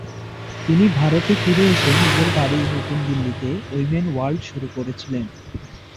তিনি ভারতে ফিরে এসে নিজের বাড়ি নতুন দিল্লিতে উইমেন ওয়ার্ল্ড শুরু করেছিলেন।